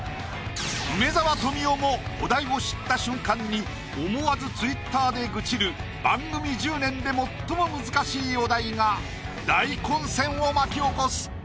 梅沢富美男もお題を知った瞬間に思わずツイッターで愚痴る番組１０年で最も難しいお題が大混戦を巻き起こす。